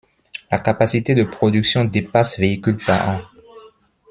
La capacité de production dépasse véhicules par an.